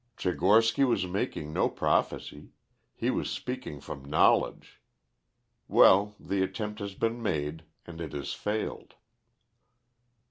Tchigorsky was making no prophesy; he was speaking from knowledge. Well, the attempt has been made and it has failed."